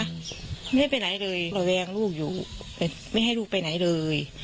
ไม่ได้ไปไหนเลยระแวงลูกอยู่ไม่ให้ลูกไปไหนเลย